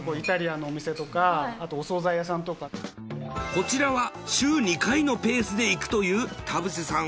こちらは週２回のペースで行くという田臥さん